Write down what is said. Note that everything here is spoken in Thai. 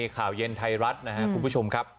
ข่าวเย็นไทยรัฐนะครับคุณผู้ชมครับ